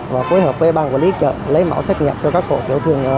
và phối hợp với bang quản lý chợ lấy mẫu xét nghiệm cho các bộ tiểu thương